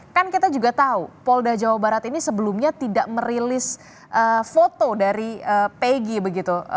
kan kita juga tahu polda jawa barat ini sebelumnya tidak merilis foto dari pegi begitu